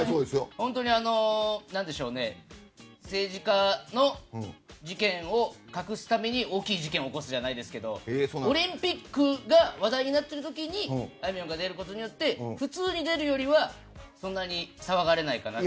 本当に政治家の事件を隠すために大きい事件を起こすじゃないですけどオリンピックが話題になっている時にあいみょんが出ることによって普通に出るよりはそんなに騒がれないかなって。